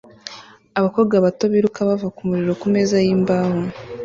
Abakobwa bato biruka bava kumuriro kumeza yimbaho